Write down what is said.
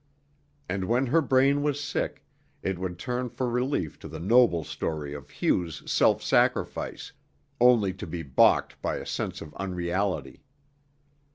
And when her brain was sick, it would turn for relief to the noble story of Hugh's self sacrifice, only to be balked by a sense of unreality.